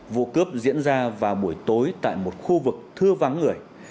vụ cướp diễn ra vào buổi tối tại một khu vực thưa vắng người